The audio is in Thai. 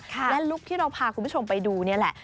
และลุคที่เราพาคุณผู้ชมไปดูนี่แหละ